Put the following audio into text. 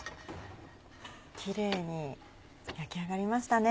キレイに焼き上がりましたね。